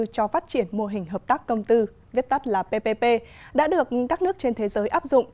cho phát triển mô hình hợp tác công tư viết tắt là ppp đã được các nước trên thế giới áp dụng